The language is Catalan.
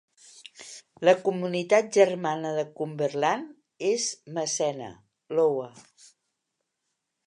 La comunitat germana de Cumberland és Massena, Iowa.